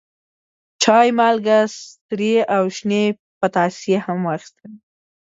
چای، مالګه، سرې او شنې پتاسې هم واخیستلې.